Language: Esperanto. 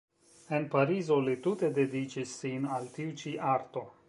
En Parizo li tute dediĉis sin al tiu ĉi arto.